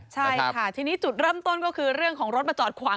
ใช่ค่ะทีนี้จุดเริ่มต้นก็คือเรื่องของรถมาจอดขวาง